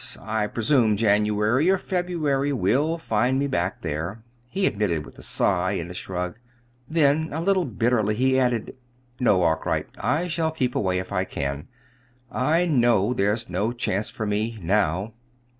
I presume January or February will find me back there," he admitted with a sigh and a shrug. Then, a little bitterly, he added: "No, Arkwright. I shall keep away if I can. I know there's no chance for me now."